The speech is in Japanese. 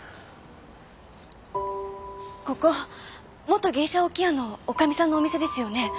ここ元芸者置屋の女将さんのお店ですよね？